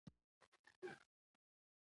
زړه د نیکو خبرو اورېدونکی دی.